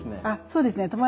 あっそうですね。